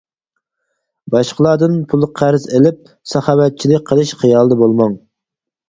باشقىلاردىن پۇل قەرز ئېلىپ، ساخاۋەتچىلىك قىلىش خىيالدا بولماڭ.